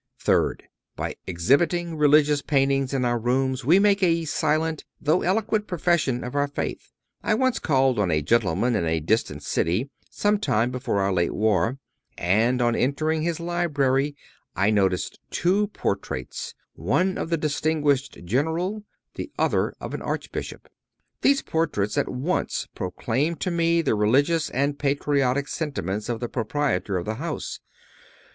Third—By exhibiting religious paintings in our rooms we make a silent, though eloquent, profession of our faith. I once called on a gentleman in a distant city, some time during our late war, and, on entering his library, I noticed two portraits, one of a distinguished General, the other of an Archbishop. These portraits at once proclaimed to me the religious and patriotic sentiments of the proprietor of the house.